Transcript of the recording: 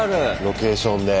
ロケーションで。